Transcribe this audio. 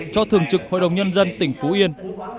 cho thường trực hội đồng nhân dân tỉnh phú yên